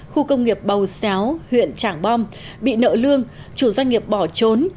khu công nghiệp bầu xéo huyện trảng bom bị nợ lương chủ doanh nghiệp bỏ trốn